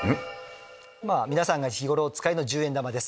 皆さんが日頃お使いの十円玉です。